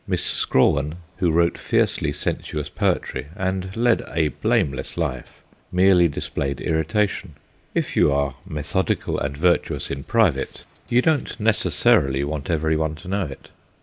Miss Scrawen, who wrote fiercely sensuous poetry and led a blameless life, merely displayed irritation; if you are methodical and virtuous in private you don't necessarily want every one to know it.